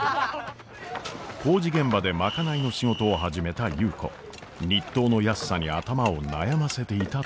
工事現場で賄いの仕事を始めた優子日当の安さに頭を悩ませていたところ。